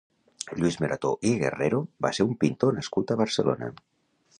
Lluís Morató i Guerrero va ser un pintor nascut a Barcelona.